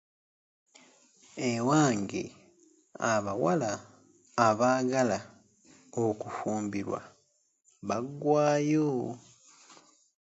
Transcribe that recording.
Ewange abawala abaagala okufumbirwa baggwaayo.